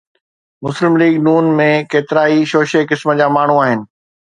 مسلم ليگ (ن) ۾ ڪيترائي شوشي قسم جا ماڻهو آهن.